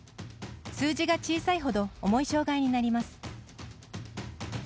数字が小さいほど重い障がいになります。